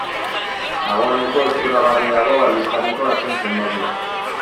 Dagoeneko eskuragarri dago aldizkariko azken zenbakia.